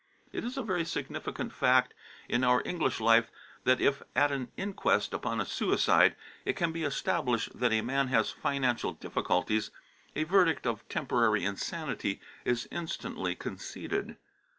It is a very significant fact in our English life that if at an inquest upon a suicide it can be established that a man has financial difficulties, a verdict of temporary insanity is instantly conceded.